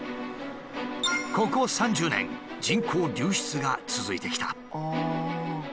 ここ３０年人口流出が続いてきた。